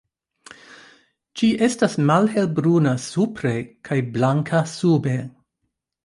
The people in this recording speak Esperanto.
Ĝi estas malhelbruna supre kaj blanka sube.